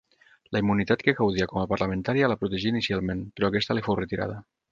La immunitat que gaudia com a parlamentària la protegí inicialment, però aquesta li fou retirada.